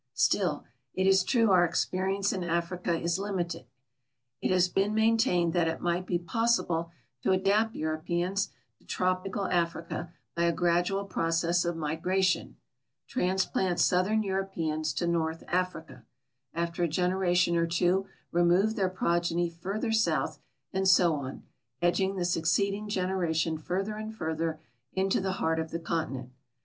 Still, it is true our experience in Africa is limited. It has been ntain tained that it might be possible to adapt Europeans to tr(»pical 258 THE UNMAPPED AREAS ON THE EARTH'S SURFACE Africa by a gradual process of migration : Transplant southern Europeans to north Africa ; after a generation or Wo remove their progeny further south, and so on, edging the succeeding genera tion further and further into the heart of the continent.